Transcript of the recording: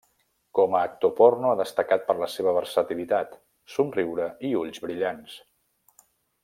Com a actor porno ha destacat per la seva versatilitat, somriure i ulls brillants.